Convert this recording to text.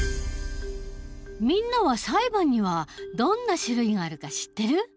みんなは裁判にはどんな種類があるか知ってる？